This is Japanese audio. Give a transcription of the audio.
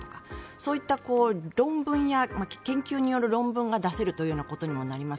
そういった論文や研究による論文が出せるというようなことにもなります。